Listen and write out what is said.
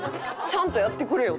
ちゃんとやってくれよ！